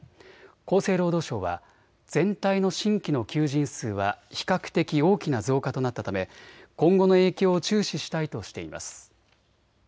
厚生労働省は全体の新規の求人数は比較的大きな増加となったため今後の影響を注視したいとしています。